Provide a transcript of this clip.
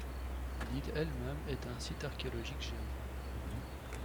L'île elle-même est un site archéologique géant.